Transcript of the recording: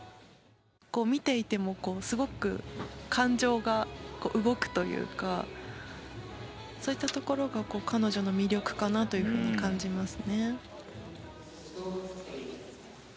見ていてもすごく感情が動くというかそういったところが彼女の魅力だと感じます。